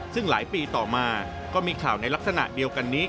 ซึ่งหลายปีต่อมาก็มีข่าวในลักษณะเดียวกันนี้